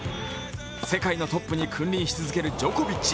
世界のトップに君臨し続けるジョコビッチ。